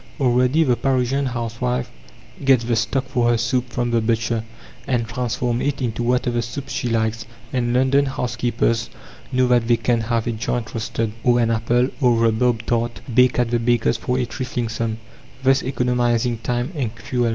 Already the Parisian housewife gets the stock for her soup from the butcher, and transforms it into whatever soup she likes, and London housekeepers know that they can have a joint roasted, or an apple or rhubarb tart baked at the baker's for a trifling sum, thus economizing time and fuel.